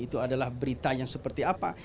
itu adalah berita yang seperti apa